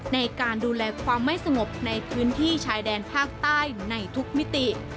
ในการดูแลความไม่สงบในพื้นที่ชายแดนภาคใต้ในทุกมิติ